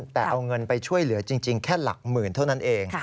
แต่เอาเงินไปช่วยเหลือจริงแค่หลักหมื่นเท่านั้นเอง